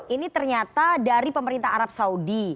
ini ternyata dari pemerintah arab saudi